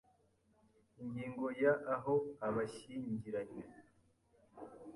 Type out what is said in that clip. Ingingo ya Aho abashyingiranywe